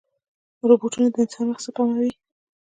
روبوټونه د انسان وخت سپموي.